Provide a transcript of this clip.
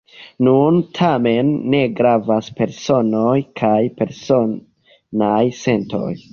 Nun, tamen, ne gravas personoj kaj personaj sentoj.